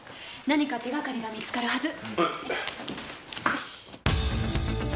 何か手がかりが見つかるはず。